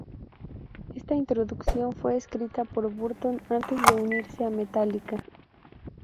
Esta introducción fue escrita por Burton antes de unirse a Metallica.